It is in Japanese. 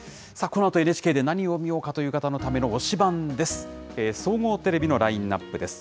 このあと、ＮＨＫで何を見ようかという方のための推しバンです。